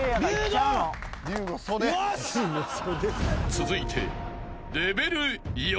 ［続いて］